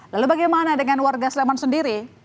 lalu bagaimana dengan warga sleman sendiri